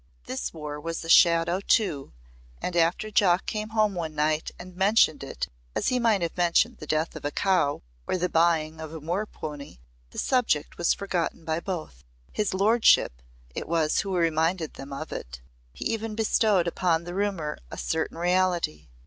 This war was a shadow too and after Jock came home one night and mentioned it as he might have mentioned the death of a cow or the buying of a moor pony the subject was forgotten by both. "His lordship" it was who reminded them of it. He even bestowed upon the rumour a certain reality.